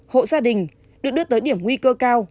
hộ gia đình được đưa tới điểm nguy cơ cao